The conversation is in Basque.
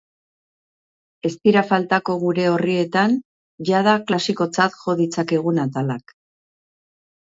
Ez dira faltako gure orrietan jada klasikotzat jo ditzakegun atalak.